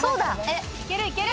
いけるいける。